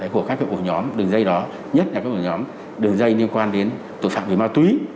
của các ổ nhóm đường dây đó nhất là các ổ nhóm đường dây liên quan đến tội phạm về ma túy